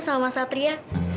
sama mas satria